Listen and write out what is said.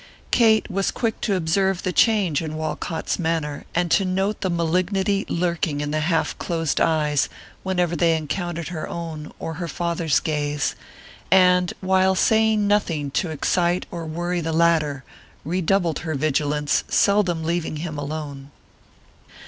Kate was quick to observe the change in Walcott's manner and to note the malignity lurking in the half closed eyes whenever they encountered her own or her father's gaze, and, while saying nothing to excite or worry the latter, redoubled her vigilance, seldom leaving him alone.